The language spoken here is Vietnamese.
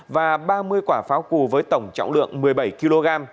và ba mươi quả pháo cù với tổng trọng lượng một mươi bảy kg